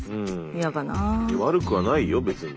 悪くはないよ別に。